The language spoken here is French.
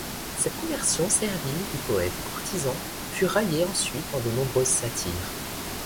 Cette conversion servile du poète courtisan fut raillée ensuite dans de nombreuses satires.